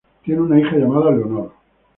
Tiene una hija llamada Leonor.